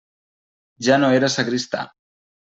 Ja no era sagristà.